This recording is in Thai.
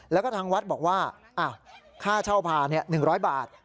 แล้วก็ทางวัดบอกว่าค่าเช่าพา๑๐๐บาท